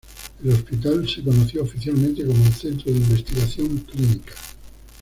El hospital se conoció oficialmente como el Centro de Investigación Clínica.